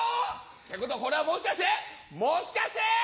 ってことはこれはもしかしてもしかして！